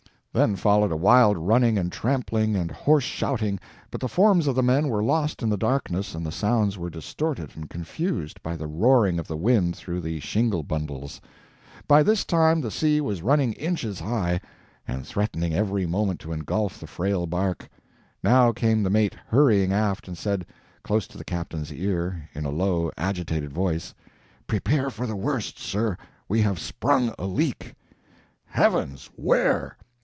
Then followed a wild running and trampling and hoarse shouting, but the forms of the men were lost in the darkness and the sounds were distorted and confused by the roaring of the wind through the shingle bundles. By this time the sea was running inches high, and threatening every moment to engulf the frail bark. Now came the mate, hurrying aft, and said, close to the captain's ear, in a low, agitated voice: "Prepare for the worst, sir we have sprung a leak!" "Heavens! where?"